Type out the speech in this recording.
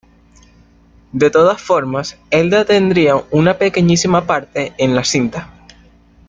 De todas formas Elda tendría una pequeñísima parte en la cinta.